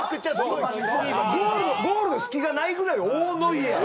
ゴールの隙がないぐらい大ノイアー。